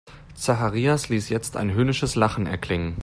Zacharias ließ jetzt ein höhnisches Lachen erklingen.